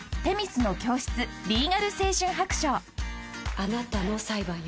「あなたの裁判よ」